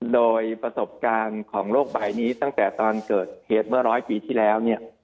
โดยประสบการณ์ของโลกใบนี้ตั้งแต่ตอนเกิดเหตุเมื่อร้อยปีที่แล้วเนี่ย